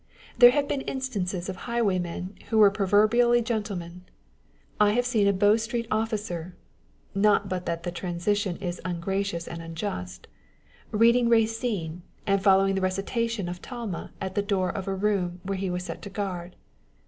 There have been instances of highwaymen who were proverbially gentlemen. I have seen a Bow stroet officer1 (not but that the transition is ungracious and unjust) reading Racine, and following the recitation of Talma at tho door of a room which he was sent to guard.